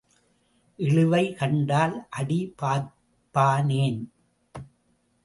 இழுவை கண்டால் அடி பார்ப்பானேன்?